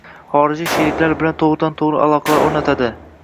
xorijiy sheriklar bilan to`g`ridan-to`g`ri aloqalar o`rnatadi;